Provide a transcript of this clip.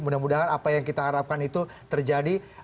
mudah mudahan apa yang kita harapkan itu terjadi